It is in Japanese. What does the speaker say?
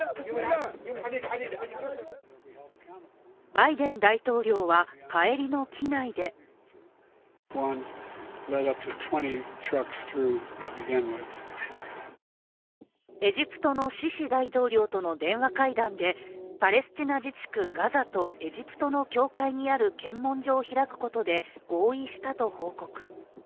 バイデン大統領は帰りの機内でエジプトのシシ大統領との電話会談でパレスチナ自治区ガザとエジプトの境界にある検問所を開くことで合意したと報告。